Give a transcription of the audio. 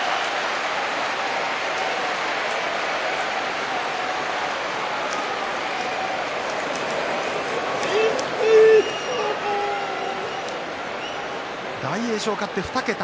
拍手大栄翔勝って２桁。